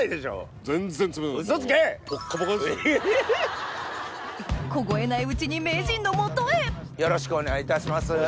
よろしくお願いします。